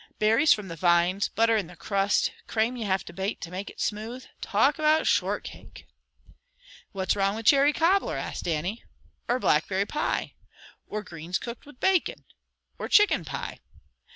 Berries from the vines, butter in the crust, crame you have to bate to make it smooth talk about shortcake!" "What's wrong wi' cherry cobbler?" asked Dannie. "Or blackberry pie?" "Or greens cooked wi' bacon?" "Or chicken pie?"